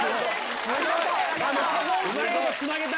すごい！